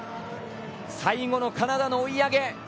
最後のカナダの追い上げ。